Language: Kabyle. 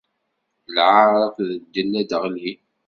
Lɛaṛ akked ddel ad d-ɣlin.